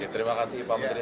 terima kasih pak menteri